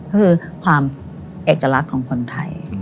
คือความเอกลักษณ์ของคนไทย